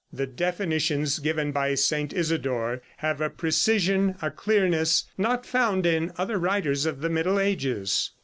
The definitions given by St. Isidore have a precision, a clearness not found in other writers of the Middle Ages.